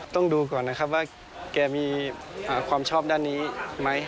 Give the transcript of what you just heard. ต้องดูก่อนนะครับว่าแกมีความชอบด้านนี้ไหม